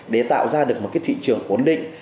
để tạo ra được một cái thị trường ổn định